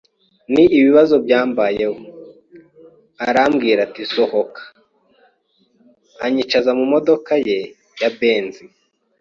Ni ibibazo byambayeho, arambwira ati:” Sohoka”, anyicaza mu modoka ye ya Benzi.